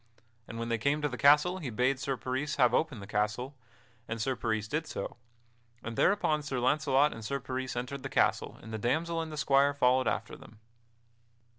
And when they came to the castle he bade Sir Peris have open the castle; and Sir Peris did so; and thereupon Sir Launcelot and Sir Peris entered the castle and the damsel and the squire followed after them.